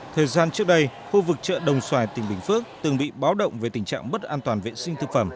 thời gian trước đây khu vực chợ đồng xoài tỉnh bình phước từng bị báo động về tình trạng mất an toàn vệ sinh thực phẩm